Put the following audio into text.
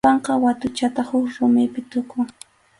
Sapanka watuchataq huk rumipi tukun.